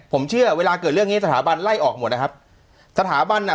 ผมเชื่อเวลาเกิดเรื่องงี้สถาบันไล่ออกหมดนะครับสถาบันน่ะ